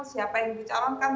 siapa yang dicalonkan